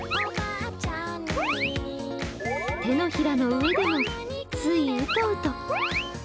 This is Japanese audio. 手のひらの上でもついうとうと。